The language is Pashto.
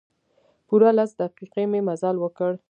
پوره لس دقیقې مې مزل وکړ.